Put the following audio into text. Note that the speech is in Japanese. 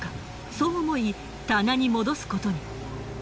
そう思い棚に戻すことに。